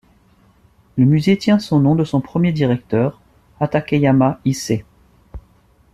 Le musée tient son nom de son premier directeur, Hatakeyama Issē.